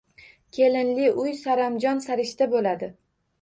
Kelinli uy saranjom-sarishta boʻladi